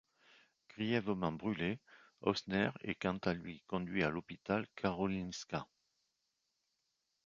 Grièvement brûlé, Hausner est quant à lui conduit à l'hôpital Karolinska.